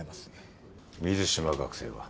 水島学生は？